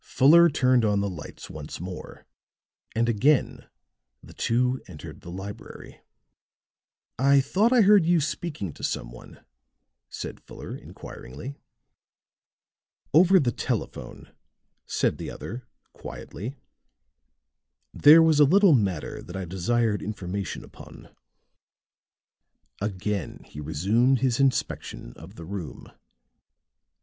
Fuller turned on the lights once more, and again the two entered the library. "I thought I heard you speaking to some one," said Fuller inquiringly. "Over the telephone," said the other, quietly. "There was a little matter that I desired information upon." Again he resumed his inspection of the room.